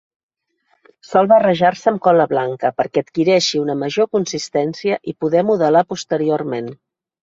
Sol barrejar-se amb cola blanca perquè adquireixi una major consistència i poder modelar posteriorment.